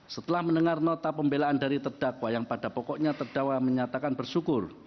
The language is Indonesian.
setelah mendengar nota pembelaan dari terdakwa yang pada pokoknya terdakwa menyatakan bersyukur